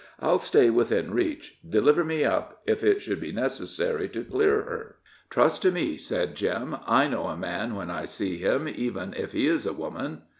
"I'll stay within reach deliver me up, if it should be necessary to clear her." "Trust to me," said Jim. "I know a man when I see him, even if he is a woman."